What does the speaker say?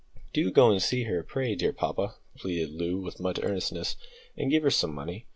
"Do go to see her, pray, dear papa," pleaded Loo with much earnestness, "and give her some money.